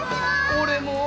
俺も。